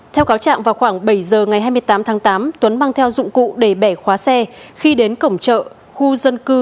theo cáo trạng vào khoảng bảy giờ ngày hai mươi tám tháng tám tuấn mang theo dụng cụ để bẻ khóa xe khi đến cổng chợ khu dân cư